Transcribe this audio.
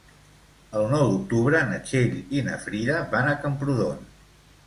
El nou d'octubre na Txell i na Frida van a Camprodon.